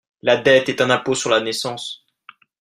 La dette est un impôt sur la naissance.